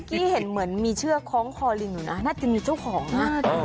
กี้เห็นเหมือนมีเชือกคล้องคอลิงอยู่นะน่าจะมีเจ้าของนะ